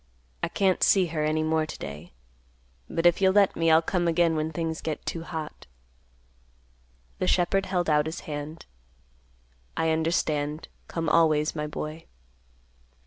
"I can't see her any more to day. But if you'll let me, I'll come again when things get too hot." The shepherd held out his hand, "I understand. Come always, my boy."